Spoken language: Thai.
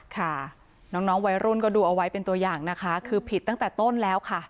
ค่ะน้องน้องวัยรุ่นก็ดูเอาไว้เป็นตัวอย่างนะคะคือผิดตั้งแต่ต้นแล้วค่ะ